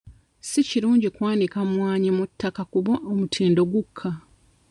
Si kirungi kwanika mwanyi ku ttaka kuba omutindo gukka.